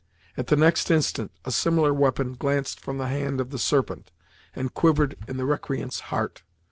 At the next instant, a similar weapon glanced from the hand of the Serpent, and quivered in the recreant's heart.